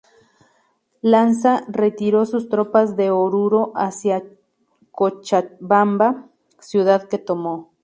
Lanza retiró sus tropas de Oruro hacia Cochabamba, ciudad que tomó.